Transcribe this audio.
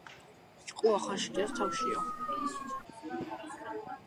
აშოკას მმართველობის პერიოდიდან, როცა ბრიჰადრათჰა ავიდა ტახტზე, ის მნიშვნელოვნად იყო შემცირებული.